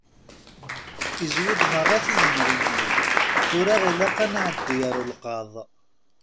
Izwi-d meṛṛa tizemrin-nni, tura ilaq ad nɛeddi ar ulqaḍ.